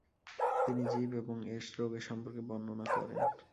তিনি জীব এবং এর সাথে রোগের সম্পর্ক বর্ণনা করেন।